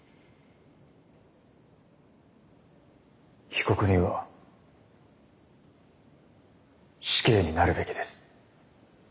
被告人は死刑になるべきです。